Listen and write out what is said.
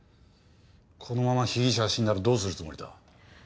このまま被疑者が死んだらどうするつもりだ？